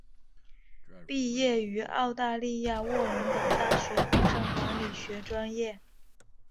毕业于澳大利亚卧龙岗大学工商管理学专业。